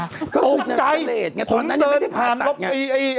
ตกใจผมเดินตอนนั้นยังไม่ได้ผ่านหลัก